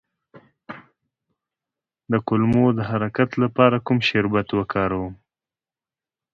د کولمو د حرکت لپاره کوم شربت وکاروم؟